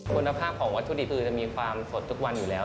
คุณภาพของวัตถุดิบคือจะมีความสดทุกวันอยู่แล้ว